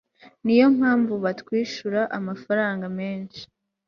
Niyo mpamvu batwishura amafaranga menshi